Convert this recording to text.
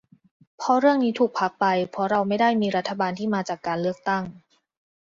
เพราะเรื่องนี้ถูกพักไปเพราะเราไม่ได้มีรัฐบาลที่มาจากการเลือกตั้ง